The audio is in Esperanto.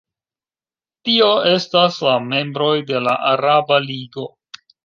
Tio estas la membroj de la Araba Ligo.